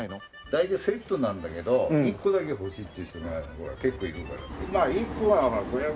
大体セットなんだけど１個だけ欲しいっていう人がほら結構いるからまあ１個は５００円。